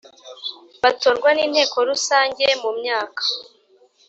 batorwa n Inteko Rusange mu myaka